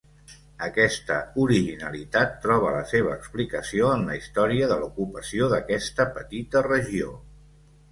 Aquesta originalitat troba la seva explicació en la història de l'ocupació d'aquesta petita regió.